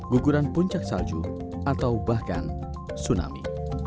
guguran puncak salju atau bahkan tsunami